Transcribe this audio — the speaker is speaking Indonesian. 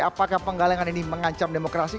apakah penggalangan ini mengancam demokrasi